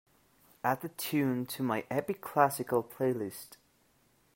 Add the tune to my Epic Classical playlist.